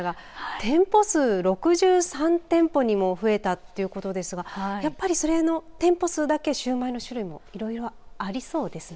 店舗数６３店舗にも増えたということですがやはりそれだけ店舗数もシューマイの種類もいろいろありそうですね。